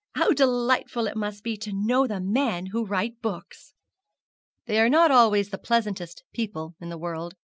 How delightful it must be to know the men who write books!' 'They are not always the pleasantest people in the world.